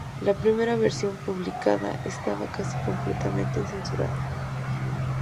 La primera versión publicada estaba casi completamente censurada.